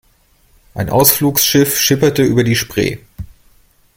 Ein Ausflugsschiff schipperte über die Spree.